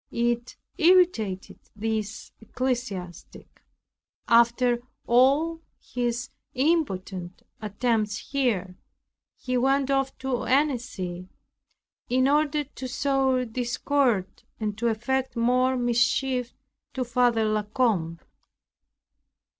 It irritated this ecclesiastic. After all his impotent attempts here, he went off to Annecy, in order to sow discord, and to effect more mischief to Father La Combe.